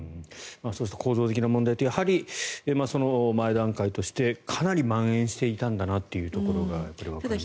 構造的な問題とやはりその前段階としてかなりまん延していたんだなということがわかりますね。